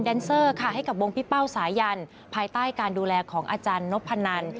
ได้การดูแลของอาจารย์นพนัน